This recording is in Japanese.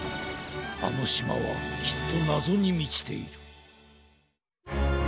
あのしまはきっとなぞにみちている。